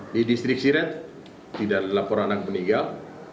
di distrik siret tidak ada laporan anak meninggal